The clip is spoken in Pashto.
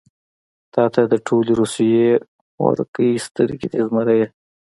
تاته د ټولې روسيې مورکۍ سترګې دي زمريه.